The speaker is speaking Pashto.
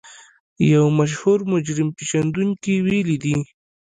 يو مشهور مجرم پېژندونکي ويلي دي.